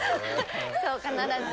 そう必ず。